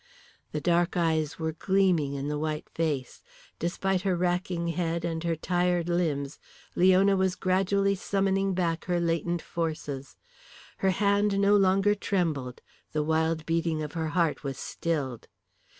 The dark eyes were gleaming in the white face. Despite her racking head and her tired limbs, Leona was gradually summoning back her latent forces. Her hand no longer trembled, the wild beating of her heart was stilled.